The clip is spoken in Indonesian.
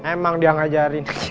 emang dia ngajarin